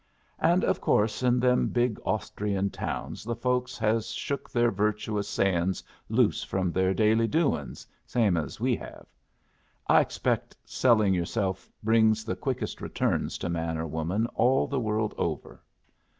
And of course in them big Austrian towns the folks has shook their virtuous sayin's loose from their daily doin's, same as we have. I expect selling yourself brings the quickest returns to man or woman all the world over.